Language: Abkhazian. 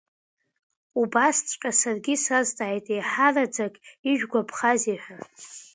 Убасҵәҟьа саргьы исазҵааит, еиҳараӡак ишәгәаԥхазеи ҳәа.